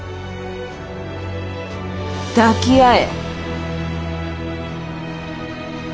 抱き合え！